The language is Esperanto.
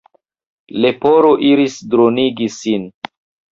Leporo iris dronigi sin.